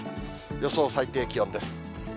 予想最低気温です。